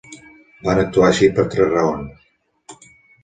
Van actuar així per tres raons.